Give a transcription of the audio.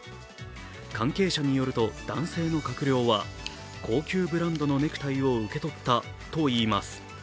関係者によると男性の閣僚は高級ブランドのネクタイを受け取ったといいます。